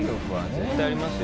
絶対ありますよ。